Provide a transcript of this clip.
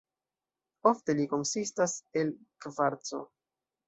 Ofte ili konsistas el kvarco.